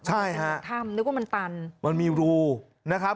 ใช่ฮะถ้ำนึกว่ามันตันมันมีรูนะครับ